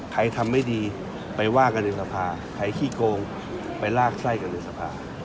ใครทำไม่ดีไปว่ากันในสภาใครขี้โกงไปลากไส้กันในสภา